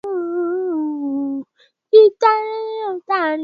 Ndege amekula chakula.